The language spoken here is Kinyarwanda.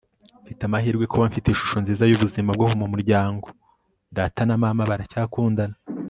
mfite amahirwe kuba mfite ishusho nziza y'ubuzima bwo mu muryango - data na mama baracyakundana